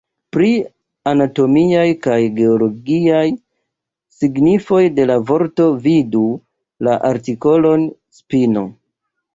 Pri anatomiaj kaj geologiaj signifoj de la vorto vidu la artikolon spino.